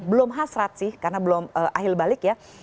belum hasrat sih karena belum akhir balik ya